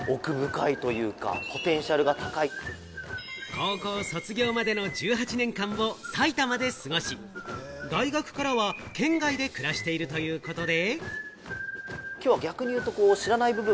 高校卒業までの１８年間を埼玉で過ごし、大学からは県外で暮らしているということで。